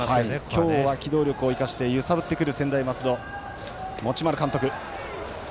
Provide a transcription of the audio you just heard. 今日は機動力を生かして揺さぶってくる専大松戸持丸監督。